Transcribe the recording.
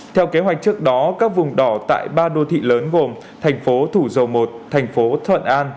theo kế hoạch trước đó các vùng đỏ tại ba đô thị lớn gồm thành phố thủ dầu một thành phố thuận an